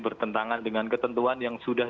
bertentangan dengan ketentuan yang sudah